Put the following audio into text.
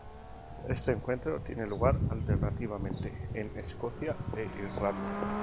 Este encuentro tiene lugar alternativamente en Escocia e Irlanda.